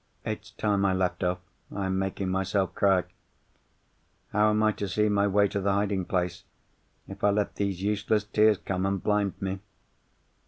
"It's time I left off. I am making myself cry. How am I to see my way to the hiding place if I let these useless tears come and blind me?